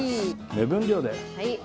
目分量で。